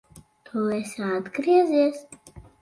Tu esi atgriezies!